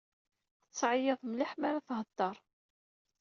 Tettɛeyyiḍ mliḥ mara thedder.